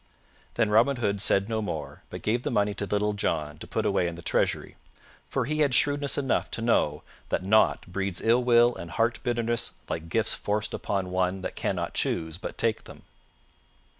Then Robin Hood said no more but gave the money to Little John to put away in the treasury, for he had shrewdness enough to know that nought breeds ill will and heart bitterness like gifts forced upon one that cannot choose but take them.